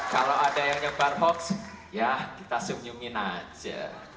kalau ada yang nyebar hoax ya kita senyumin aja